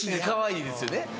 かわいいですよね。